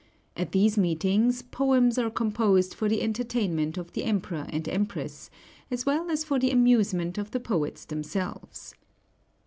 At these meetings poems are composed for the entertainment of the Emperor and Empress, as well as for the amusement of the poets themselves.